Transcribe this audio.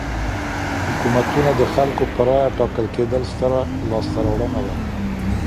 حکومتونه د خلګو په رايه ټاکل کېدل ستره لاسته راوړنه ده.